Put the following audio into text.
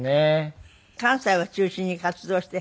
関西を中心に活動して。